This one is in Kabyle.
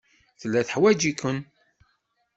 Tella teḥwaj-iken.